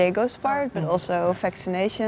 yang terutama dari diego tapi juga vaksinasi